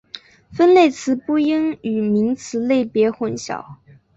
分类词不应与名词类别混淆。